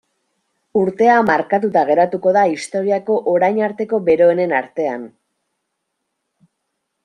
Urtea markatuta geratuko da historiako orain arteko beroenen artean.